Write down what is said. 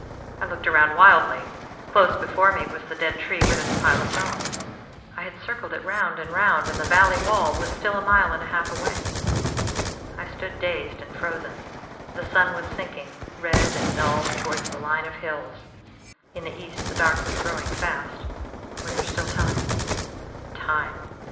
I looked around wildly. Close before me was the dead tree with its pile of bones. I had circled it round and round, and the valley wall was still a mile and a half away. "I stood dazed and frozen. The sun was sinking, red and dull, towards the line of hills. In the east the dark was growing fast. Was there still time? _Time!